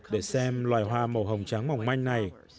để xem loài hoa màu hồng tráng mỏng manh này